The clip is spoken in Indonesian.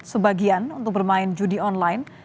sebagian untuk bermain judi online